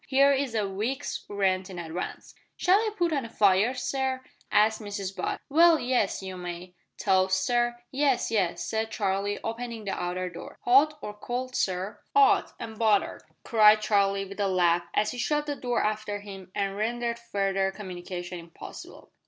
Here is a week's rent in advance." "Shall I put on a fire, sir?" asked Mrs Butt. "Well, yes you may." "Toast, sir?" "Yes, yes," said Charlie, opening the outer door. "'Ot or cold, sir?" "'Ot, and buttered," cried Charlie, with a laugh, as he shut the door after him and rendered further communication impossible.